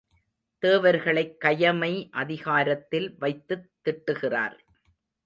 தேவர்களைக் கயமை அதிகாரத்தில் வைத்துத் திட்டுகிறார்.